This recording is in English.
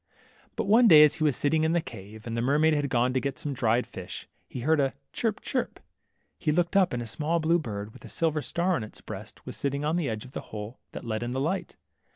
But one day as he was sitting in the cave, and the mermaid had gone to get some dried fish, he heard a chirp chirp. He looked up, and a small, blue bird, with a silver star on its breast, was sitting on the edge of the hole that let in the light.